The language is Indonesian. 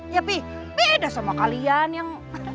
ya pi beda sama kalian yang